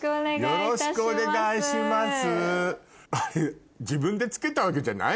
よろしくお願いします。